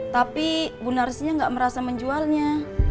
tapi bu narsinya nggak merasa menjualnya